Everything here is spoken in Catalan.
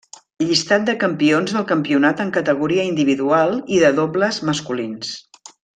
Llistat de campions del campionat en categoria individual i de dobles masculins.